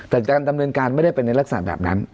แต่การดำเนินการไม่ได้เป็นในลักษณะแบบนั้น